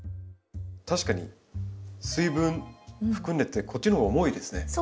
確かに水分含んでてこっちの方が重いですね。